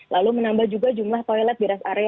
lalu menambah juga jumlah toilet di rest area